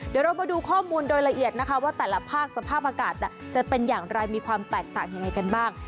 เดี๋ยวเรามาดูข้อมูลโดยละเอียดนะคะว่าแต่ละภาคสภาพอากาศจะเป็นอย่างไรมีความแตกต่างยังไงกันบ้าง